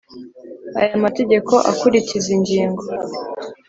aya mategeko akurikiza ingingo